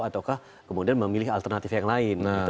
ataukah kemudian memilih alternatif yang lain